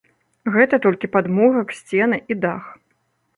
Гэта толькі падмурак, сцены і дах.